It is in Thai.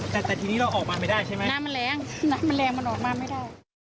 แต่แต่ทีนี้เราออกมาไม่ได้ใช่ไหมน้ำมันแรงน้ำมันแรงมันออกมาไม่ได้